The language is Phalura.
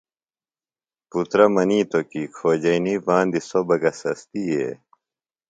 پُترہ منِیتوۡ کی کھوجئینی باندی سوۡ بہ گہ سستیئے؟